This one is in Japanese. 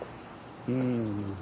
うん。